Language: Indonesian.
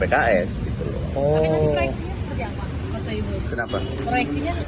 tapi nanti proyeksinya seperti apa pak soebul